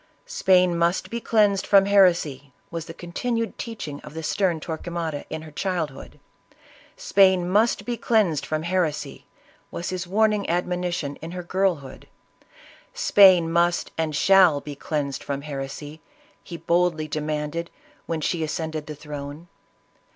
Spain must be cleansed from heresy ! was the continued teachings of the stern Tor quemada, in her childhood; Spain must be cleansed from heresy ! was his warning admonition in her girl hood; Spain must and shall be cleansed from heresy ! he boldly demanded, when she ascended the throne.